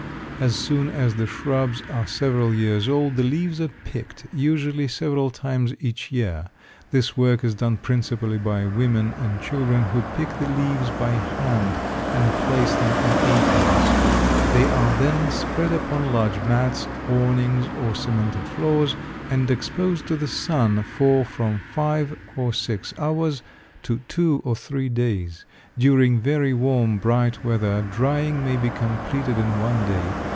As soon as the shrubs are several years old the leaves are picked, usually several times each year. This work is done principally by women and children who pick the leaves by hand and place them in aprons. They are then spread upon large mats, awnings, or cemented floors, and exposed to the sun for from five or six hours to two or three days. During very warm, bright weather drying may be completed in one day.